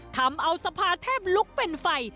ทำเอาสภาแทบลุกเป็นไฟ